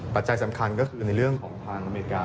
ปัจจัยสำคัญก็คือในเรื่องของทางอเมริกา